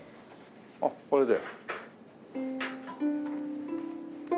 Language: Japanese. あっこれで。